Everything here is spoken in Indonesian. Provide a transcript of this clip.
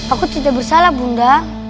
aku tidak bersalah bunda